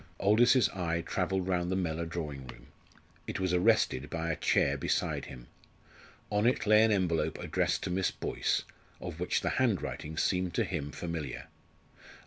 Aldous's eye travelled round the Mellor drawing room. It was arrested by a chair beside him. On it lay an envelope addressed to Miss Boyce, of which the handwriting seemed to him familiar.